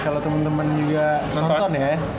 kalau temen temen juga nonton ya